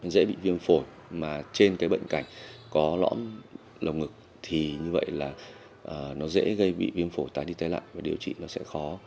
bệnh nhi dễ bị viêm phổi mà trên cái bệnh cảnh có lõm lồng ngực thì như vậy là nó dễ gây bị viêm phổi tái đi tái lại và điều trị nó sẽ khó